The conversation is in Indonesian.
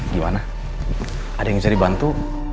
gimana ada yang cari bantu